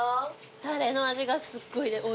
タレの味がすごいおいしいです。